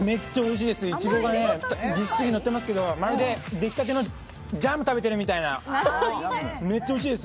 いちごがぎっしりのってますけど、まるで出来立てのジャムを食べているみたいです。